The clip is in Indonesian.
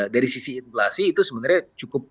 dari sisi inflasi itu sebenarnya cukup